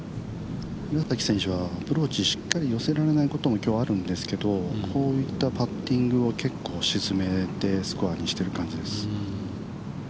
岩崎選手はアプローチしっかり寄せられないことも結構あるんですけどこういったパッティングは結構沈めてスコアにしてる感じです。